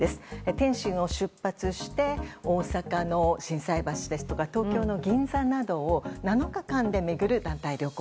天津を出発して大阪の心斎橋ですとか東京の銀座などを７日間で巡る団体旅行。